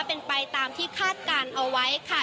เป็นไปตามที่คาดการณ์เอาไว้ค่ะ